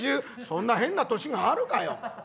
「そんな変な年があるかよ」。